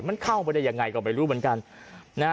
มันเข้าไปได้ยังไงก็ไม่รู้เหมือนกันนะฮะ